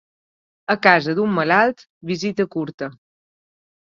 A casa d'un malalt, visita curta.